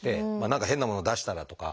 何か変なものを出したらとか。